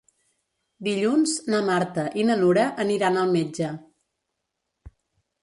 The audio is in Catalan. Dilluns na Marta i na Nura aniran al metge.